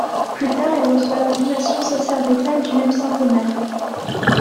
Plus tard il reçoit l’ordination sacerdotale du même saint Omer.